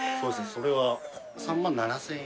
それは３万７，０００円。